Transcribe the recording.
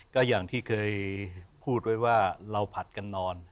ก็อย่างที่เคยพูดไว้ว่าเราผัดกันนอน